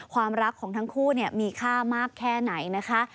ความรักของทั้งคู่มีค่ามากแค่ไหนนะคะ